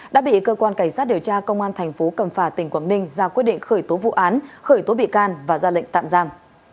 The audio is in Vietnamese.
đã bị cơ quan cảnh sát điều tra công an thành phố cẩm phả tỉnh quảng ninh ra quyết định khởi tố vụ án khởi tố bị can và ra lệnh tạm giam